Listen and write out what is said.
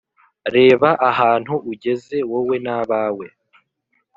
Reba ahantu ugeze wowe nabawe